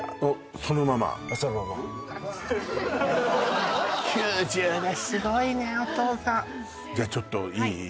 そのまま９０ですごいねおとうさんじゃあちょっといい？